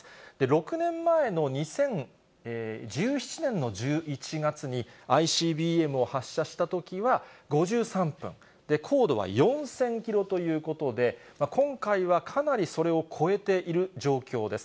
６年前の２０１７年の１１月に、ＩＣＢＭを発射したときは、５３分、高度は４０００キロということで、今回はかなりそれを超えている状況です。